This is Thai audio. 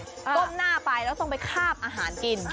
ก้มหน้าไปแล้วต้องไปคาบอาหารกิน